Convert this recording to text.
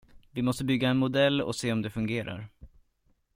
Vi måste bygga en modell och se om det fungerar.